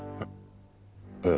え？